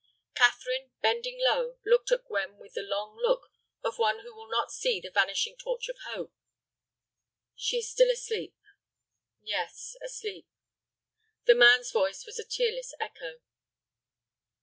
Catherine, bending low, looked at Gwen with the long look of one who will not see the vanishing torch of hope. "She is still asleep." "Yes, asleep." The man's voice was a tearless echo.